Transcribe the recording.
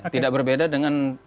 tidak berbeda dengan